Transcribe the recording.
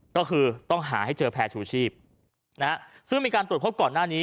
ก็คือต้องหาให้เจอแพร่ชูชีพนะฮะซึ่งมีการตรวจพบก่อนหน้านี้